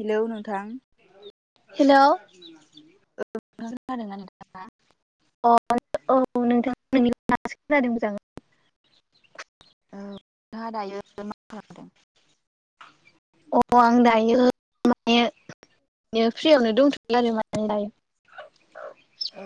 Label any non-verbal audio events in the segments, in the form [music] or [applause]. Hello नोंथां hello [unintelligible] अ औ नोंथां [unintelligible] [unintelligible] अ आं दायो माने ओ फ्रियावनो [unintelligible] आरो माने दायो। औ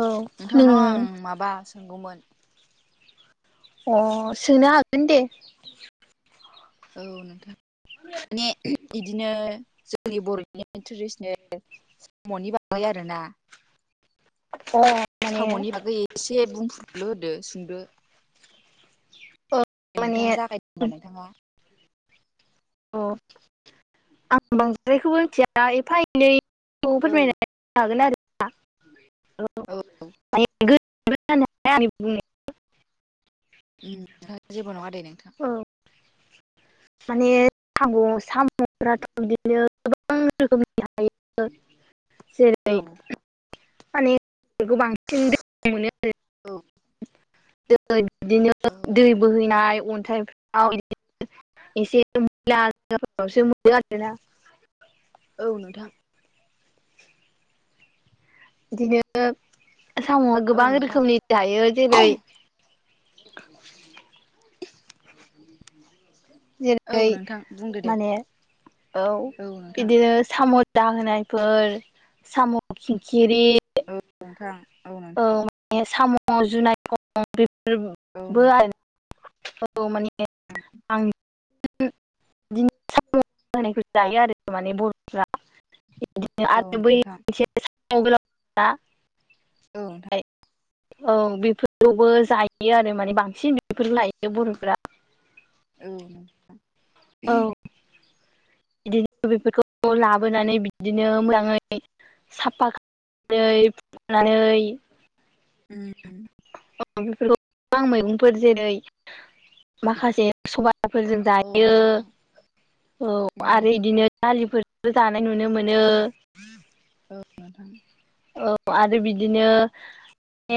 औ नोंथांनाव आं नों माबा सोंगौमोन। अ सोंनो हागोन दे। औ नोंथां माने इदिनो [unintelligible] जोंनि बर'नि ट्रेडिसनेल साम'नि बागै आरोना। [unintelligible] साम'नि बागै एसे बुंफ्रुरलु होदो सुद'। औ माने अ [unintelligible] अ आं बांद्रायखौबो मिथिया एफा एनैखौ फोरमायनाय औ [unintelligible] उम था जेबो नङा दे नोंथां। औ माने खाम' साम'फ्राथ' बिदिनो बां रोखोमनि थायो औ जेरै माने औ [unintelligible] दै दिनो औ दै बोहैनाय अन्थाइफ्राव [unintelligible] [unintelligible] औ नोंथां। दिनो साम'आ औ गोबां नोंथां रोखोमनि दायो जेरै औ जेरै नोंथां बुंदो दे माने औ बिदिनो साम' दाहोनायफोर साम' खिंखिरि औ नोंथां औ नोंथां। औ नोंथां [unintelligible] औ माने आं [unintelligible] औ नोंथां औ नोंथां [unintelligible] औ नोंथा औ बेफोरखौबो जायो आरो माने बांसिन बेफोर लायो बर'फोरा। औ [unintelligible] औ। इदिनो बेफोरखौ लाबोनानै बिदिनो मोजाङै साफा [inaudible] नै फुनानै उम उम। [unintelligible] आं मैगंफोर जेरै माखासे सबाइ [unintelligible] फोरजों औ दायो नोंथां औ उम आरो इदिनो दालिफोर बो जानाय नुनो मोनो। [unintelligible] औ आरो बिदिनो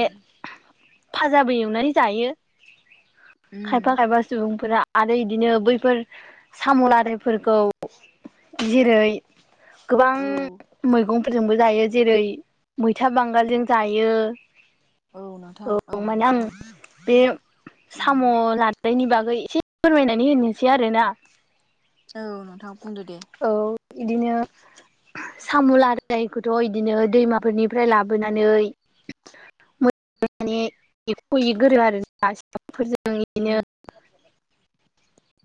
ए फाजाबो एवनानै जायो। खायफा उम खायफा सुबुंफोरा आरो इदिनो बैफोर साम' लादाय फोरखौ जेरै गोबां औ मैगं फोरजोंबो जायो जेरै मैथा बांगालजों जायो। औ माने आं बे उम साम' ला बैनि बागै एसे फोरमायनानै होनोसै आरो ना। औ नोंथां बुंदो दे। औ इदिनो सामु लादायखौथ' इदि इदिनो दैमाफोरनि फ्राय लाबोनानै [unintelligible] एरख' गोरो [unintelligible] उम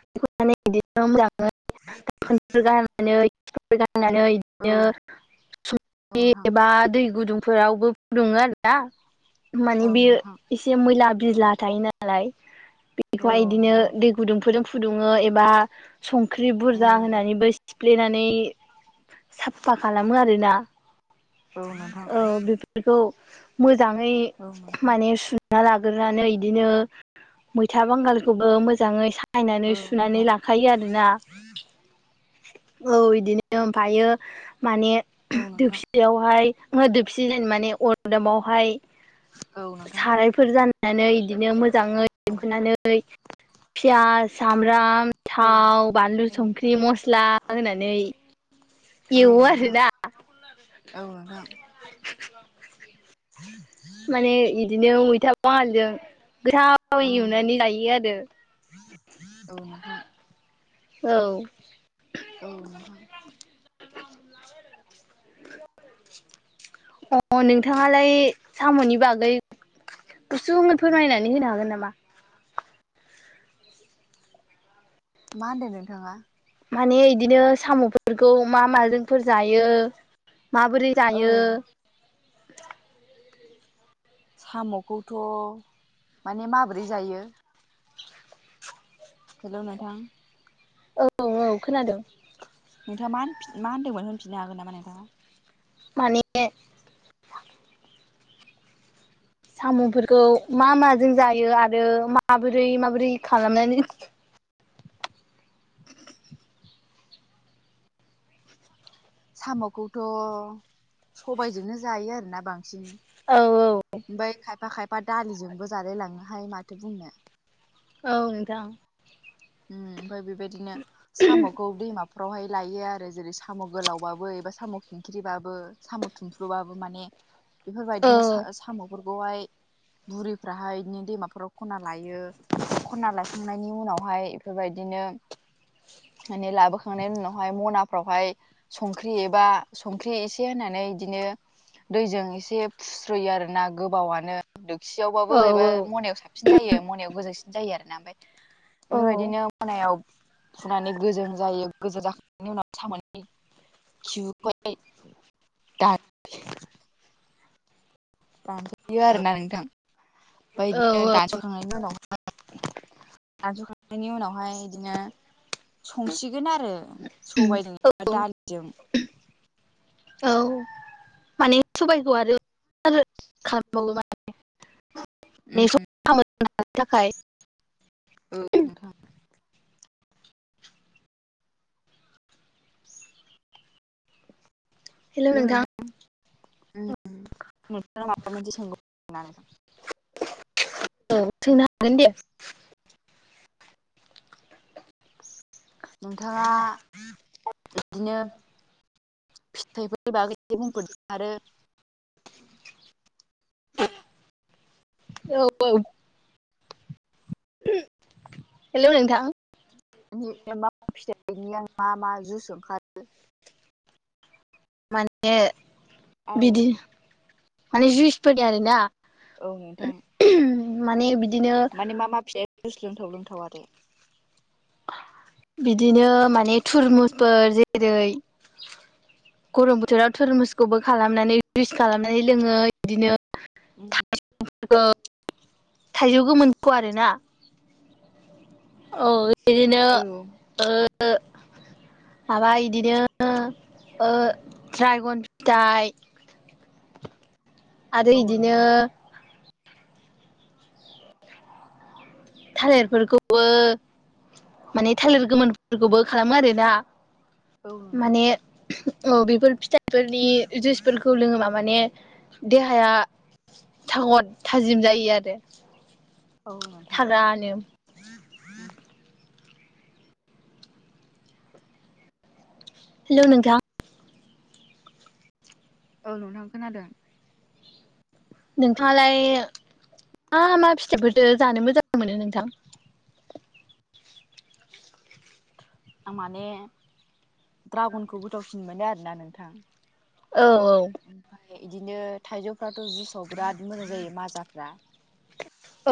[unintelligible] बिदिनो मोजाङै दाखोनफोर गारनानै [unintelligible] गारनानै औ औ [unintelligible] नोंथां एबा दै गुदुं फोरावबो फुदुङो आरो ना। माने औ बेयो नोंथां एसे मैला बिजला थायो नालाय। औ बेखौहाय बिदिनो नोंथां दै गुदुंफोरजों फुदुङो एबा संख्रै ख्रै बुरजा उम होनानैबो सिफ्लेनानै साफा खालामो आरोना। औ नोंथां। बेखौ मोजाङै औ नोंथां माने सुना लाग्रोनानै इदिनो मैथा बांगालखौबो मोजाङै सायनानै औ सुनानै नोंथां लाखायो आरोना। [inaudible] औ इदिनो ओमफायो माने औ [unintelligible] नोंथां दोसि यावहाय ओहो दोबसि जेनबा माने अरदाबावहाय औ नोंथां। फोर जानानै इदिनो मोजाङै औ [unintelligible] खोनानै फियास, सामब्राम, औ नोंथां थाव, बानलु, औ नोंथां संख्रि, म मस्ला होनानै ओं एवो नोंथां आरोना औ नोंथां [inaudible] माने इदिनो मैथा बांगालजों गोथाव थाव ओं एवनानै जायो आरो। औ नोंथां औ। औ नोंथां। अ नोंथाङालाय साम'नि बागै गुसुङै फोरमायनानै होनो हागोन नामा? मा होनदों नोंथाङा? माने इदिनो साम'फोरखौ मा माजोंफोर जायो। माबोरै औ जायो? साम'खौथ' माने माबोरै जायो? हेल' नोंथां। औ औ खोनादों। नोंथाङा मा होनफिन होनदोंमोन होनफिननो हागोन नामा नोंथाङा? माने साम'फोरखौ मा माजों जायो आरो माबोरै माबोरै खालामनानै [inaudible] साम'खौथ' सबायजोंनो जायो आरोना बांसिन। औ औ। ओमफाय खायफा खायफा दालिजोंबो जालायलाङोहाय माथो बुंनो। औ नोंथां। उम ओमफ्राय बेबायदिनो साम'खौ दैमा फोरावहाय लायो आरो जेरै साम' गोलावबाबो एबा साम' खिंख्रिबाबो, साम' थुमफ्रुबाबो माने बेफोरबायदिनो औ सा-साम'फोरखौहाय बुरैफ्राहाय इदिनो दैमाफोराव खनना लायो। खनना लाखांनायनि उनावहाय इफोरबायदिनो माने लाबोखांनायनि उनावहाय मनाफ्रावहाय संख्रि एबा संख्रि एसे होनानै इदिनो दैजों एसे फुस्रोयो आरो। ना गोबावानो औ दोखसियावबाबो एबा मनायाव साबसिन जायो मनायाव गोजौसिन जायो आरोना। ओमफ्राय औ बेफोरबायदिनो मनायाव फुनानै गोजों जायो, गोजों जाखांनायनि उनाव सम'नि खिबुखौहखय दा दानस'यो आरोना नोंथां ओमफ्राय बिदिनो औ दानस'खांनायनि उनावहाय नाज'खांनायनि [unintelligible] उनावहाय बिदिनो संसिगोन आरो सबायजों औ दालिजों औ माने सबाइखौ आरो खालामबावो माने [unintelligible] उम ने थाखाय [unintelligible] औ हेल नोंथां नोंथां माबा मोनसे सोंगौ नोंथां [unintelligible] औ सोंनो हागोन दे नोंथाङा बिदिनो फिथाइफोरनि बागै एसे बुंफोरदों आरो औ-औ हेल' नोंथां। मा फिथाइनि आं मा मा जुइस ओंखारो [unintelligible] माने औ बिदि माने जुइसफोरनि आरोना औ माने बिदिनो मानि मा फि [inaudible] जुस लोंथाव-लोंथाव आरो बिदिनो माने थुरमुसफोर जेरै गरम बोथोराव थोरमुसखौबो खालामनानै जुस खालामनानै लोङो बिदिनो उम थाइजौ गोमोनखौ आरोना। अ बिदिनो औ माबा बिदिनो ड्रागन फिथाइ [inaudible] आरो औ इदिनो नोंथां [unintelligible] थालिरफोरखौबो माने थालिर गोमोनफोरखौबो खालामो आरोना औ नोंथां माने औ बेफोर फिथाइ फोरनि जुसफोरखौ लोङोबा माने देहाया थागद थाजिम जायो आरो औ नोंथां थाजानो [unintelligible] हेल' नोंथां औ नोंथांं खोनादों नोंथाङालाय मा-मा फिथाइफोरथो जानो मोजां मोनो नोंथां। आं माने दड्रागनखौ गोथावसिन मोनो आरोना नोंथां औ औ ओमफ्राय बिदिनो थाइजौफ्राथ' जुसाव बिराद मोजां जायो माजाफ्रा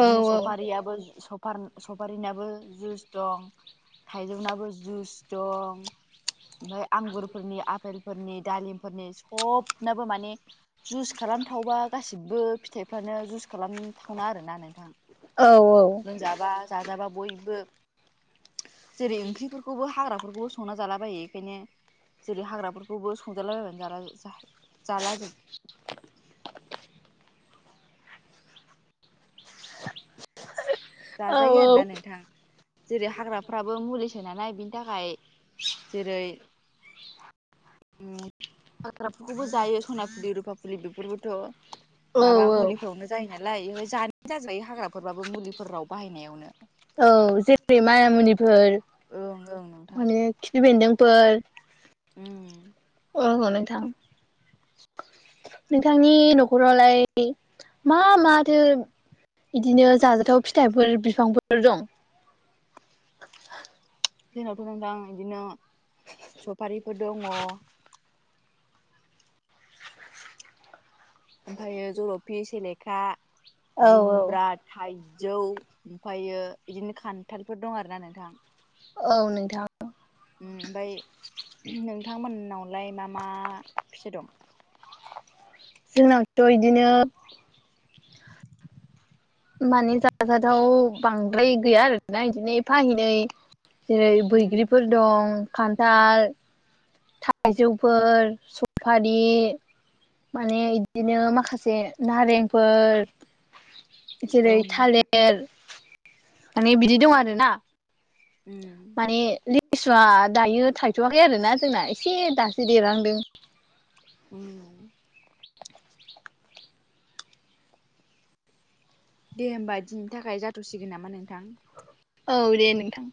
औ सफारियाबो सफार सफारिनाबो जुस दं थाइजौनाबो जुस दं ओमफ्राय आंगुरफोरनि आपेलफोरनि दालिमफोरनि सबनोबो माने जुस खालामथावबा गासिबो फिथाइफ्रानो जुस खालामथावना आरोना नोंथां औ औ माबा जाजाबा बयबो जेरै ओंख्रिफोरखौबो हाग्राफोरखौबो संना जालाबायो बेखायनो जेरै हाग्राफोरखौबो संजालाबायानो जाला जाला जोब [unintelligible] औ जाजायो आरोना नोंथां जेरै हाग्राफ्राबो मुलिसो नालाय बिनि थाखाय जेरै ओम हाग्राफोरखौबो जायो सना फुलि रुफा फुलि बेफोरबोथ' माबा औ मुलिफोरावनो जायो नालाय बेहाय जानायानो जाजोबबाय हाग्राफोरबाबो मुलिफोराव बाहायनायावनो। औ जेरै माना मुनिफोर ओं ओं नोंथां माने खिफि बेन्दोंफोर। उम। औ नोथां। नोंथांनि न'खरावलाय मा माथो बिदिनो जाजाथाव फिथाइफोर बिफांफोर दं? जोंनावथ' नोंथां बिदिनो सफारिफोर दङ। ओमफायो जलफि सेलेखा औ औ जुमब्रात थाइजौ ओमफायो बिदिनो खान्थालफोर दं आरोना नोंथां। औ नोंथां। उम ओमफाय नोंथांमोननावलाय मा मा फिथाइ दं? जोंनाथ' इदिनो माने जाजाथाव बांद्राय गैया आरोना बिदिनो फाहैनै। जेरै उम बैग्रिफोर दं खान्थाल थाइजौफोर सफारि। माने इदिनो माखासे नारेंफोर औ जेरै नोंथां थालिर माने बिदि दं आरोना। उम। माने लिसुआ दायो थायथ'वाखै आरोना जोंना एसे दासो देरहांदों। उम। दे होमबा दिनैनि थाखाय जाथ'सिगोन नामा नोंथां? औ दे नोंथां।